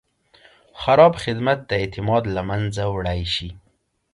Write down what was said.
خراب خدمت د اعتماد له منځه وړی شي.